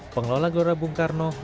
pengelola gelora bung karno